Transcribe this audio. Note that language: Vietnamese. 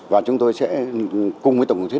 và chúng tôi sẽ cùng với tổng cục thuế